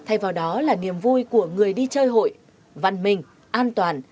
thay vào đó là niềm vui của người đi chơi hội văn minh an toàn